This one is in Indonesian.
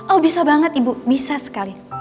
oh bisa banget ibu bisa sekali